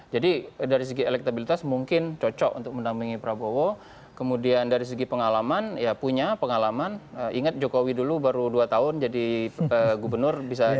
jadi dari segi elektabilitas mungkin cocok untuk mendampingi prabowo kemudian dari segi pengalaman ya punya pengalaman ingat jokowi dulu baru dua tahun jadi gubernur bisa panggil